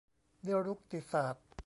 นิรุกติศาสตร์